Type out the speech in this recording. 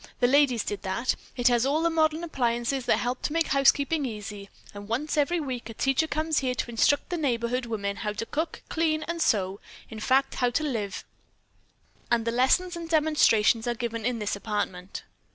The ladies did that. It has all the modern appliances that help to make housekeeping easy, and once every week a teacher comes here to instruct the neighborhood women how to cook, clean and sew; in fact, how to live. And the lessons and demonstrations are given in this apartment."